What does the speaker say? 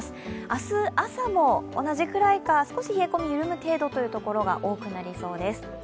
明日朝も同じくらいか少し冷え込み緩むというところが多くなりそうです。